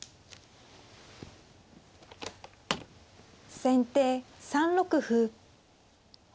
先手３六歩。